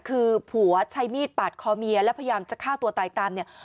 คือผัวใช้มีดปาดคอเมียและพยายามจะฆ่าตัวตายตามเนี่ย